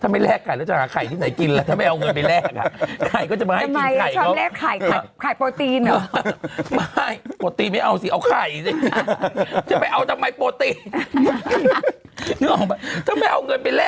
มีอีกสิ่งหนึ่ง